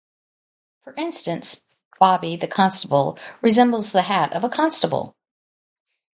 For instance, Bobby, the constable, resembles the hat of a constable.